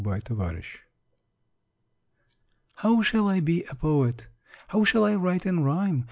"How shall I be a poet? How shall I write in rhyme?